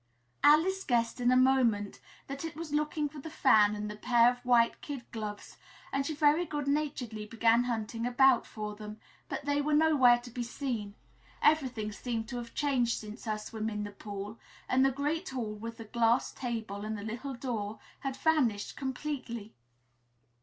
Alice guessed in a moment that it was looking for the fan and the pair of white kid gloves and she very good naturedly began hunting about for them, but they were nowhere to be seen everything seemed to have changed since her swim in the pool, and the great hall, with the glass table and the little door, had vanished completely.